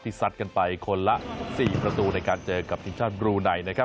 ที่สัดกันไปคนละสี่ประตูในการเจอกับทีมชาติบลูนัยนะครับ